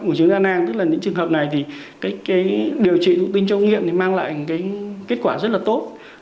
nguồn chứng đa nang tức là những trường hợp này thì điều trị thụ tinh trong nghiệm mang lại kết quả rất là tốt